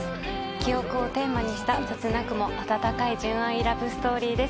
記憶をテーマにした切なくも温かい純愛ラブストーリーです